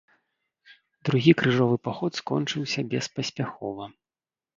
Другі крыжовы паход скончыўся беспаспяхова.